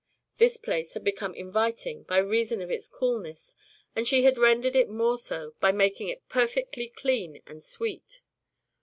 This place had become inviting by reason of its coolness, and she had rendered it more so by making it perfectly clean and sweet.